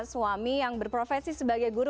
suami yang berprofesi sebagai guru